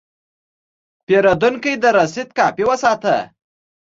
پیرودونکی د رسید کاپي وساته.